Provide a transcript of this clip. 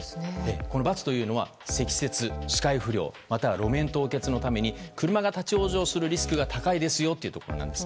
この×というのは積雪、視界不良または路面凍結のために車が立ち往生するリスクが高いですよというところなんです。